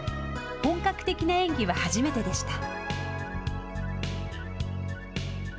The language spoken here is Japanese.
本格的な演技は初めてでした。